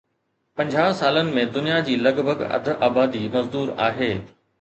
پنجاهه سالن ۾ دنيا جي لڳ ڀڳ اڌ آبادي مزدور آهي